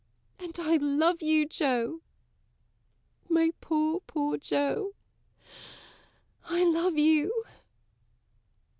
And I love you, Joe. My poor, poor Joe! I love you.